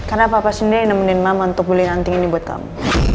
karena papa sendiri nemenin mama untuk beli hanting ini buat kamu